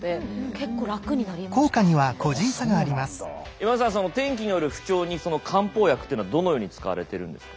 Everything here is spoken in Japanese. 今津さん天気による不調にその漢方薬ってのはどのように使われてるんですか？